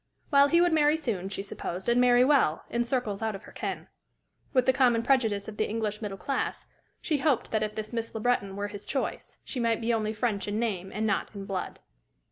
Well, he would marry soon, she supposed, and marry well, in circles out of her ken. With the common prejudice of the English middle class, she hoped that if this Miss Le Breton were his choice, she might be only French in name and not in blood.